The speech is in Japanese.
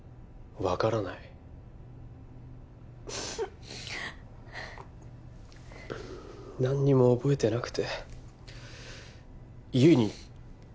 わからない何にも覚えてなくて